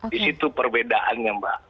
di situ perbedaannya mbak